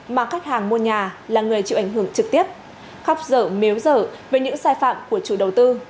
mà khách hàng mua nhà là người chịu ảnh hưởng trực tiếp khóc dở méo dở về những sai phạm của chủ đầu tư